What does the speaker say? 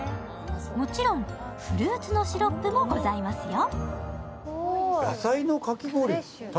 もちろんフルーツのシロップもございますよ。